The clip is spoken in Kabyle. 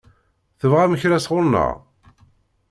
Tebɣam kra sɣur-neɣ?